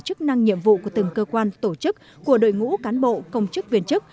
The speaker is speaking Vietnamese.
chức năng nhiệm vụ của từng cơ quan tổ chức của đội ngũ cán bộ công chức viên chức